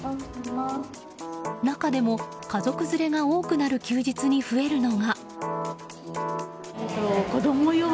中でも、家族連れが多くなる休日に増えるのが。